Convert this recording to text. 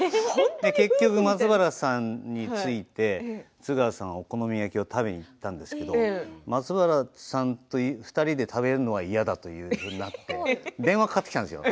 結局、松原さんについて津川さんはお好み焼きを食べに行ったんですけど松原さんと２人で食べるのは嫌だということになって電話がかかってきたんですよ。